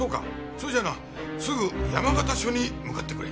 それじゃなすぐ山形署に向かってくれ。